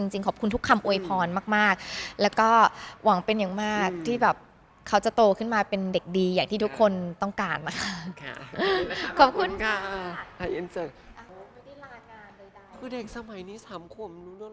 หวังเป็นอย่างมากที่แบบเขาจะโตขึ้นมาเป็นเด็กดีอย่างที่ทุกคนต้องการนะคะ